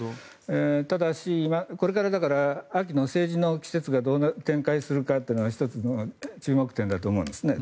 ただし、これから秋の政治の季節がどう展開するかというのが１つ、注目点だと思うんですね。